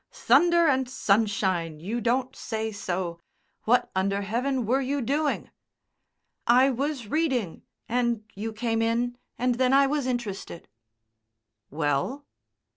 "Thunder and sunshine! You don't say so! What under heaven were you doing?" "I was reading, and you came in and then I was interested." "Well?"